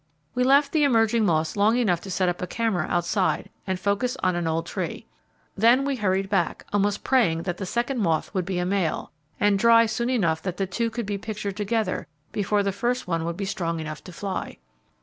We left the emerging moths long enough to set up a camera outside, and focus on old tree. Then we hurried back, almost praying that the second moth would be a male, and dry soon enough that the two could be pictured together, before the first one would be strong enough to fly.